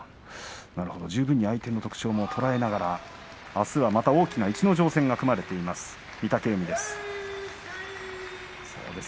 相手の特徴も捉えながらあすはまた大きな逸ノ城戦が組まれています御嶽海です。